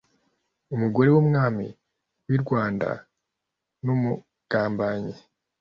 umugore wumwami wirwanda numugambanyi